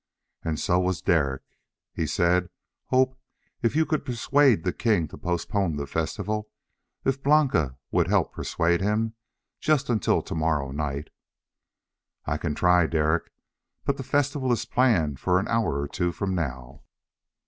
And so was Derek! He said, "Hope, if you could persuade the king to postpone the festival if Blanca would help persuade him just until to morrow night...." "I can try, Derek. But the festival is planned for an hour or two from now."